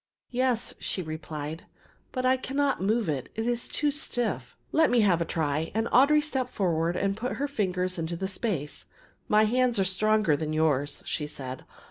"Yes," she replied, "but I cannot move it; it is too stiff." "Let me have a try," and Audry stepped forward and put her fingers into the space. "My hands are stronger than yours," she said.